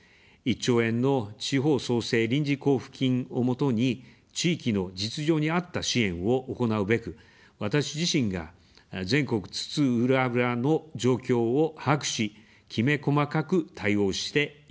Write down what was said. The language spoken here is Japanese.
１兆円の地方創生臨時交付金を基に、地域の実情に合った支援を行うべく、私自身が全国津々浦々の状況を把握し、きめ細かく対応していきます。